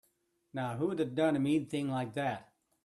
Now who'da done a mean thing like that?